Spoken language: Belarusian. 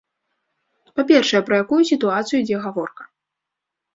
Па-першае, пра якую сітуацыю ідзе гаворка?